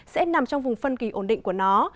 sẽ nằm trong vùng phân kỳ ổn định của nó